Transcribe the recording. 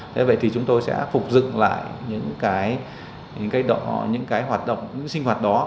thế vậy thì chúng tôi sẽ phục dựng lại những cái những cái hoạt động những cái sinh hoạt đó